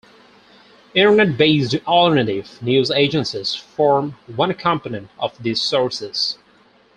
Internet-based alternative news agencies form one component of these sources.